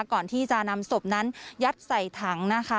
ก่อนที่จะนำศพนั้นยัดใส่ถังนะคะ